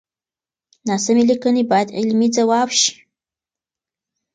ناسمې ليکنې بايد علمي ځواب شي.